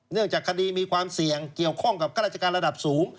เนื่องจากคดีมีความเสี่ยงเกี่ยวข้องกับข้าราชการระดับสูง